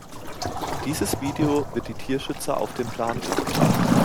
Dieses Video wird die Tierschützer auf den Plan rufen.